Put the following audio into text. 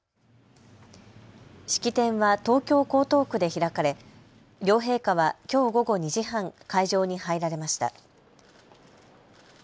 式典は東京江東区で開かれ両陛下はきょう午後２時半会場に入られました。